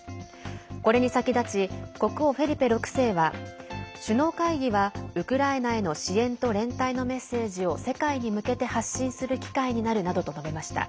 これに先立ち国王フェリペ６世は首脳会議はウクライナへの支援と連帯のメッセージを世界に向けて発信する機会になるなどと述べました。